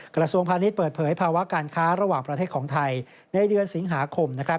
กระทรวงพาณิชย์เปิดเผยภาวะการค้าระหว่างประเทศของไทยในเดือนสิงหาคม